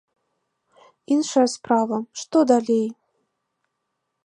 Іншая справа, што далей?